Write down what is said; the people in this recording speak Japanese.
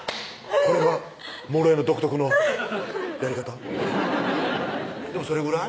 これがもろえの独特のやり方？でもそれぐらい？